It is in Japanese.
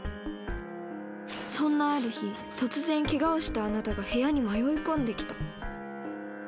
そんなある日突然ケガをしたあなたが部屋に迷い込んできた。